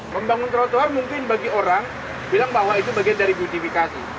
membangun trotoar mungkin bagi orang bilang bahwa itu bagian dari justifikasi